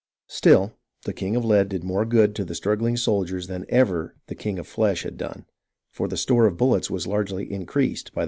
'" Still the king of lead did more good to the struggling soldiers than ever the king of flesh had done, for the store of bullets was largely increased by the melted statue.